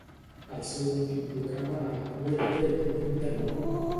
El seu últim programa a 'Wait Wait... Don't Tell Me!'